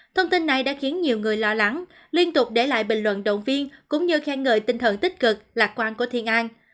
thông tin này đã khiến nhiều người lo lắng liên tục để lại bình luận động viên cũng như khen ngợi tinh thần tích cực lạc quan của thiên an